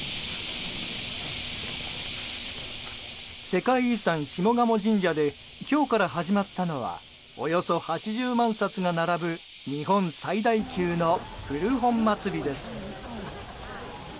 世界遺産・下鴨神社で今日から始まったのはおよそ８０万冊が並ぶ日本最大級の古本まつりです。